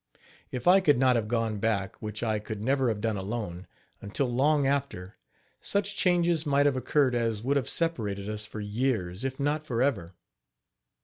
If I could not have gone back, which I could never have done alone, until long after, such changes might have occured as would have separated us for years, if not forever.